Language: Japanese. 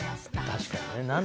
確かにね。